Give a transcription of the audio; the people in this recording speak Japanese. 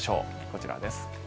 こちらです。